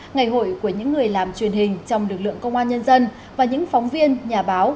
ngày hội của những người làm truyền hình trong lực lượng công an nhân dân và những phóng viên nhà báo